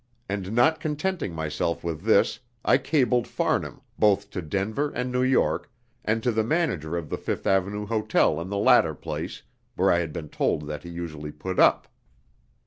And not contenting myself with this I cabled Farnham, both to Denver and New York, and to the manager of the Fifth Avenue Hotel in the latter place, where I had been told that he usually put up.